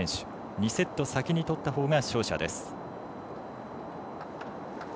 ２セット先に取ったほうが勝者。